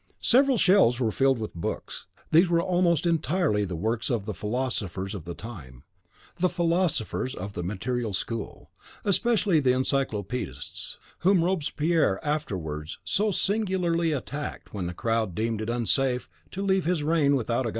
Several shelves were filled with books; these were almost entirely the works of the philosophers of the time, the philosophers of the material school, especially the Encyclopedistes, whom Robespierre afterwards so singularly attacked when the coward deemed it unsafe to leave his reign without a God.